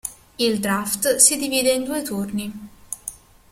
Il "draft" si divide in due turni.